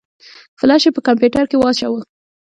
فلش يې په کمپيوټر کې واچوه.